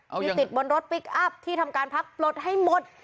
ที่ติดบนรถพลิกอัพที่ทำการพักปลดให้หมด